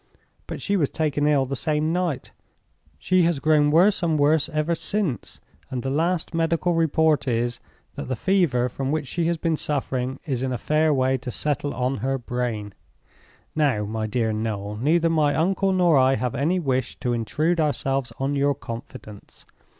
But she was taken ill the same night; she has grown worse and worse ever since; and the last medical report is, that the fever from which she has been suffering is in a fair way to settle on her brain. "Now, my dear Noel, neither my uncle nor I have any wish to intrude ourselves on your confidence.